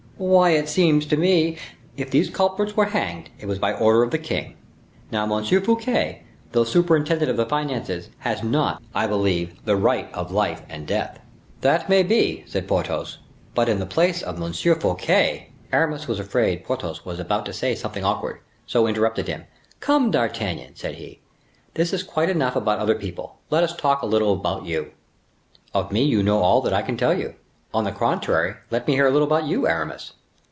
"Why, it seems to me—" "If these culprits were hanged, it was by order of the king. Now M. Fouquet, although superintendent of the finances, has not, I believe, the right of life and death." "That may be," said Porthos; "but in the place of M. Fouquet—" Aramis was afraid Porthos was about to say something awkward, so interrupted him. "Come, D'Artagnan," said he; "this is quite enough about other people, let us talk a little about you." "Of me you know all that I can tell you. On the contrary let me hear a little about you, Aramis."